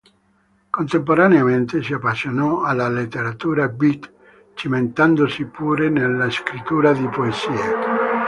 Contemporaneamente, si appassionò alla letteratura beat cimentandosi, pure, nella scrittura di poesie.